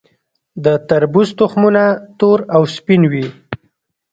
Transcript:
د تربوز تخمونه تور او سپین وي.